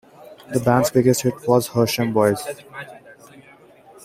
The band's biggest hit was "Hersham Boys".